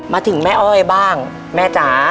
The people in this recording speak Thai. มาถึงแม่อ้อยบ้างแม่จ๋า